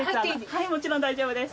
はいもちろん大丈夫です。